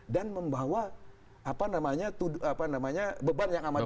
dan membawa apa namanya beban yang amat berat